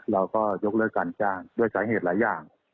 เราก็ยกเลิกการจ้างด้วยสาเหตุหลายอย่าง